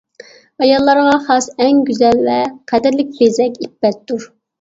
ئاياللارغا خاس ئەڭ گۈزەل ۋە قەدىرلىك بېزەك ئىپپەتتۇر.